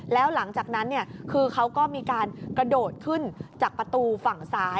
แล้วหลังจากนั้นคือเขาก็มีการกระโดดขึ้นจากประตูฝั่งซ้าย